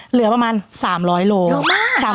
เหลือประมาณ๓๐๐โล